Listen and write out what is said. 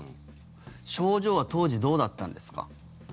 症状は当時どうだったんですか？